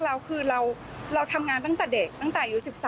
เราคือเราทำงานตั้งแต่เด็กตั้งแต่อายุ๑๓